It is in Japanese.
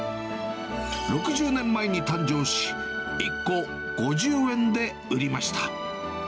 ６０年前に誕生し、１個５０円で売りました。